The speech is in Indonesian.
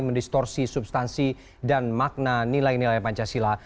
mendistorsi substansi dan makna nilai nilai pancasila